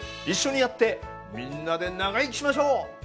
一緒にやってみんなで長生きしましょう！